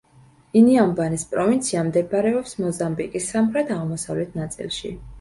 ინიამბანეს პროვინცია მდებარეობს მოზამბიკის სამხრეთ-აღმოსავლეთ ნაწილში.